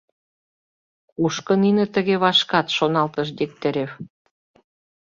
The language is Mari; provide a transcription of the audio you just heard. — Кушко нине тыге вашкат? — шоналтыш Дегтярев.